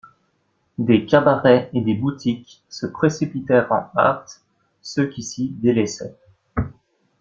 Des cabarets et des boutiques se précipitèrent en hâte ceux qui s'y délassaient.